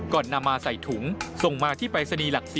ก่อนนำมาใส่ถุงส่งมาที่ไปรษณีย์หลัก๔